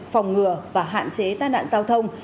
phòng ngừa và hạn chế tai nạn giao thông